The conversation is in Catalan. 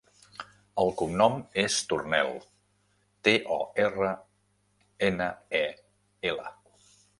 El cognom és Tornel: te, o, erra, ena, e, ela.